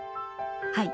はい。